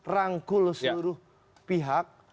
rangkul seluruh pihak